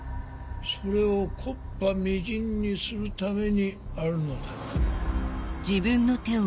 それを木っ端みじんにするためにあるのだ。